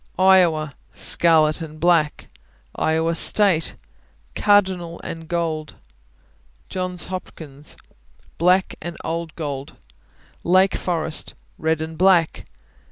Iowa Scarlet and black. Iowa State Cardinal and gold. Johns Hopkins Black and old gold. Lake Forest Red and black.